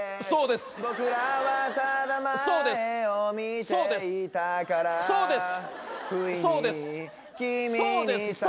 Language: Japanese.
「そうです